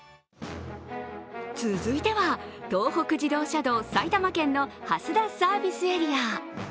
続いては東北自動車道埼玉県の蓮田サービスエリア。